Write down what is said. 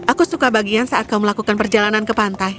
aku suka bagian saat kau melakukan perjalanan ke pantai